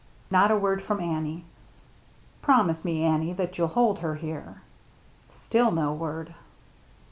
Not a word from Annie. " Promise me, Annie, that you'll hold her here?" Still no word.